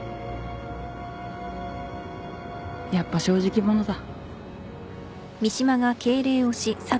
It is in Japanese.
やっぱ正直者だ。